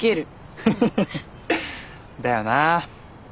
フフフフだよな。